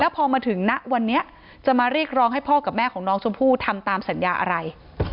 พอมาถึงณวันนี้จะมาเรียกร้องให้พ่อกับแม่ของน้องชมพู่ทำตามสัญญาอะไร